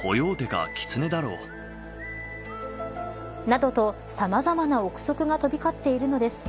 などと、さまざまな臆測が飛び交っているのです。